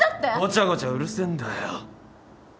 ごちゃごちゃうるせえんだよ。